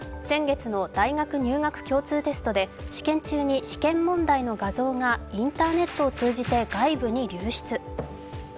先月の大学入学共通テストで試験中に試験問題の画像がインターネットを通じて外部に流出。